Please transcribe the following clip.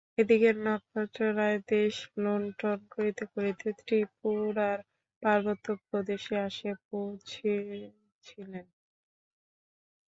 এদিকে নক্ষত্ররায় দেশ লুণ্ঠন করিতে করিতে ত্রিপুরার পার্বত্য প্রদেশে আসিয়া পৌঁছিলেন।